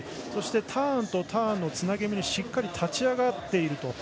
そしてターンとターンのつなぎ目しっかり立ち上がっている。